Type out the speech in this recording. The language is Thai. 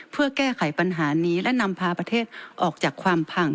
เพื่อแก้ไขปัญหานี้และนำพาประเทศออกจากความพัง